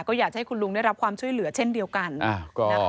ก็อยากจะให้คุณลุงได้รับความช่วยเหลือเช่นเดียวกัน